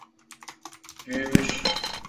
Büyümüş.